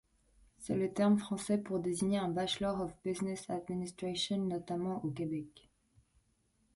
C'est le terme français pour désigner un Bachelor of Business Administration, notamment au Québec.